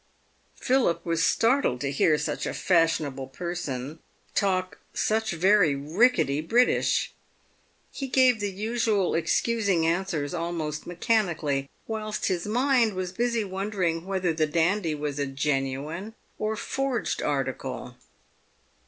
Philip was startled to hear such a fashionable person talk such very rickety British. He gave the usual excusing answers almost me chanically, whilst his mind was busy wondering whether the dandy was a genuine or forged article.